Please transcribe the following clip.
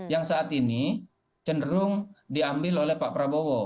yang saat ini cenderung diambil oleh pak prabowo